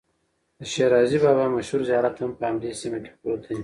د شیرازي بابا مشهور زیارت هم په همدې سیمه کې پروت دی.